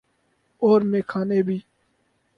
اورمیخانے بھی۔